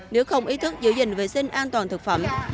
nếu không ý thức giữ gìn vệ sinh an toàn thực phẩm